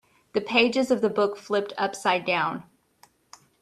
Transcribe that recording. The pages of the book flipped upside down.